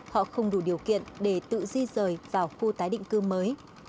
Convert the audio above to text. họ không đủ điều kiện để tự di rời vào khu tái định cư mới